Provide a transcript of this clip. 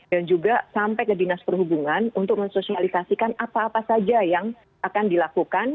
dan juga sampai ke dinas perhubungan untuk mensosialisasikan apa apa saja yang akan dilakukan